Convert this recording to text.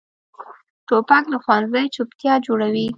توپک له ښوونځي چپتیا جوړوي.